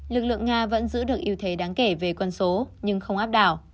lực lượng nga vẫn giữ được yêu thế đáng kể về quân số nhưng không áp đảo